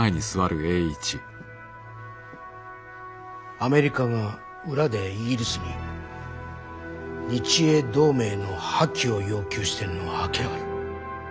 アメリカが裏でイギリスに日英同盟の破棄を要求してるのは明らかだ。